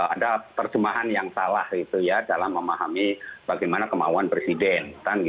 ada perjemahan yang salah itu ya dalam memahami bagaimana kemauan presiden